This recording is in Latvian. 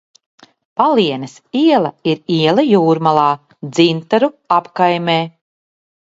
Palienes iela ir iela Jūrmalā, Dzintaru apkaimē.